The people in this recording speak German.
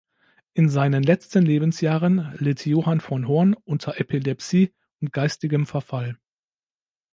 In seinen letzten Lebensjahren litt Johann von Hoorn unter Epilepsie und geistigem Verfall.